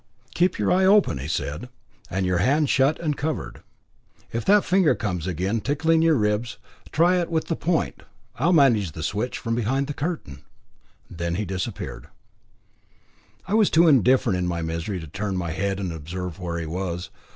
"Keep your eye open," said he, "and your hand shut and covered. If that finger comes again tickling your ribs, try it with the point. I'll manage the switch, from behind the curtain." Then he disappeared. I was too indifferent in my misery to turn my head and observe where he was.